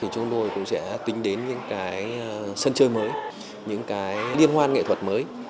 chúng tôi cũng sẽ tính đến những sân chơi mới những liên hoan nghệ thuật mới